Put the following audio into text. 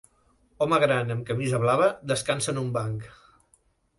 Home gran amb camisa blava descansa en un banc.